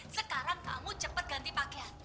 sekarang kamu cepat ganti pakaian